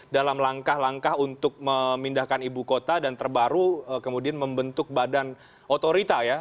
dalam langkah langkah untuk memindahkan ibu kota dan terbaru kemudian membentuk badan otorita ya